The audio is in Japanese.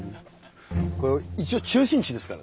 ここ一応中心地ですからね。